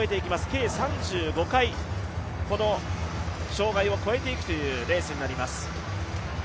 計３５回、この障害を越えていくというレースになります。